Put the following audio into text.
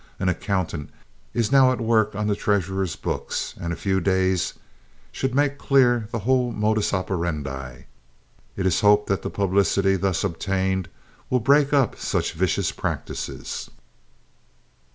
An accountant is now at work on the treasurer's books, and a few days should make clear the whole modus operandi. It is hoped that the publicity thus obtained will break up such vicious practices."